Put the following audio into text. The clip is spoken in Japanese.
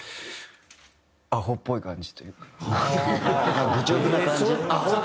アホっぽい感じというか愚直な感じ。